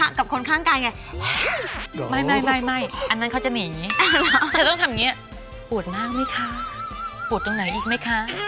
เอาเธอบอกว่าทำกับคนข้างกายไง